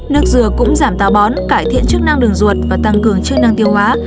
nước dừa cũng giảm tà bón cải thiện chức năng đường ruột và tăng cường chức năng tiêu hóa